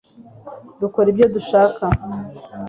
dukora ibyo dushaka